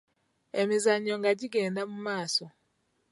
Emizannyo nga gigenda mu maaso.